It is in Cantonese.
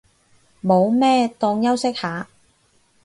冇咩，當休息下